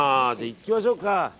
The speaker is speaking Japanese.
いきましょうか。